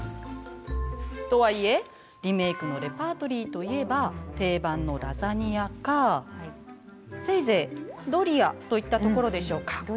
とはいえリメイクのレパートリーといえば定番のラザニアかせいぜいドリアといったところでしょうか？